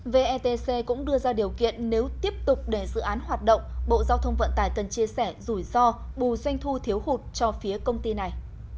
vetc cũng đưa ra điều kiện nếu tiếp tục để dự án hoạt động bộ giao thông vận tải cần chia sẻ rủi ro bù doanh thu thiếu hụt cho phía công ty này